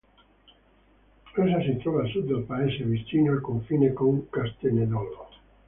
Essa si trova a sud del paese, vicino al confine con Castenedolo.